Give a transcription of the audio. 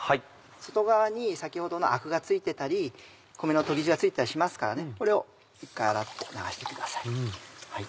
外側に先ほどのアクが付いてたり米のとぎ汁が付いてたりしますからこれを一回洗い流してください。